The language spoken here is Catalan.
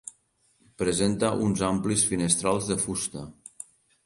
Presenta uns amplis finestrals de fusta.